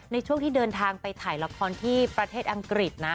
ในช่วงที่เดินทางไปถ่ายละครที่ประเทศอังกฤษนะ